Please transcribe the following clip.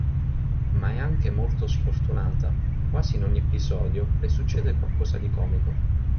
Ma è anche molto sfortunata, quasi in ogni episodio le succede qualcosa di comico.